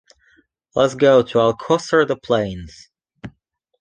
Let's go to Alcosser de Planes.